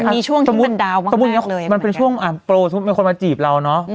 มันมีช่วงทิ้งกันดาวมากมากเลยมันเป็นช่วงอ่าโปรสมมุติมีคนมาจีบเราเนอะ